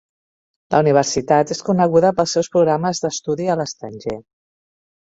La universitat és coneguda pels seus programes d"estudis a l"estranger.